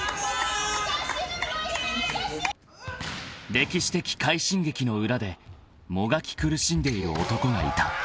・［歴史的快進撃の裏でもがき苦しんでいる男がいた］